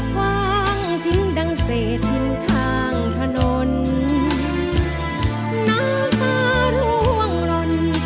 ความจริงดังเศษทิ้งทางถนนหน้าตาล่วงหล่น